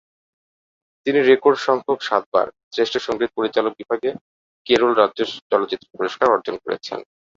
তিনি রেকর্ড সংখ্যক সাতবার শ্রেষ্ঠ সঙ্গীত পরিচালক বিভাগে কেরল রাজ্য চলচ্চিত্র পুরস্কার অর্জন করেছেন।